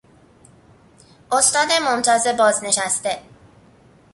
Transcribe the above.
استاد ممتاز بازنشسته